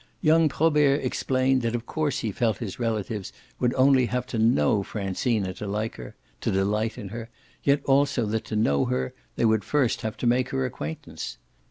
Young Probert explained that of course he felt his relatives would only have to know Francina to like her, to delight in her, yet also that to know her they would first have to make her acquaintance.